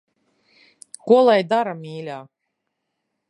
Ko lai dara, mīļā.